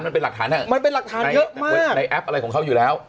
มันเป็นหลักฐานทั้งหมดมันเป็นหลักฐานเยอะมากในแอปอะไรของเขาอยู่แล้ว